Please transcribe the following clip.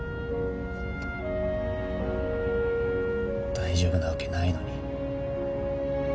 大丈夫なわけないのに。